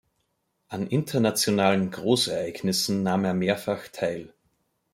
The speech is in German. An internationalen Großereignissen nahm er mehrfach teil.